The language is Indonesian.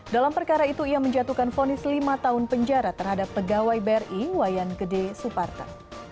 dalam perkara itu ia menjatuhkan fonis lima tahun penjara terhadap pegawai bri wayan gede suparte